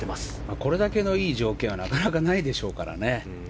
これだけのいい条件はなかなか、ないでしょうからね。